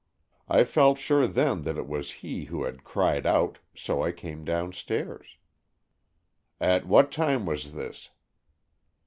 I felt sure then that it was he who had cried out, so I came downstairs." "At what time was this?"